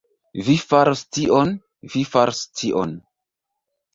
Vi faros tion... vi faros tion...